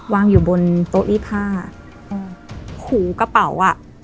วางอยู่บนโต๊ะรีดผ้าอืมหูกระเป๋าอ่ะ